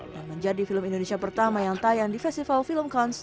dan menjadi film indonesia pertama yang tayang di festival film kunst